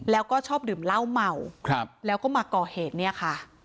แล้วก็ชอบดื่มเหล้าเมาแล้วก็มาก่อเหตุเนี่ยค่ะ